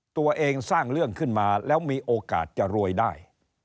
ตัวเองสร้างเรื่องขึ้นมาแล้วมีโอกาสจะรวยได้